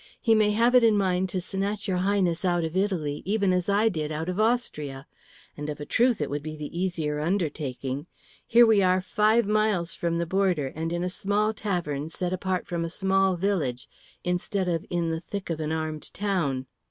He may have it in mind to snatch your Highness out of Italy even as I did out of Austria; and of a truth it would be the easier undertaking. Here are we five miles from the border and in a small tavern set apart from a small village, instead of in the thick of an armed town."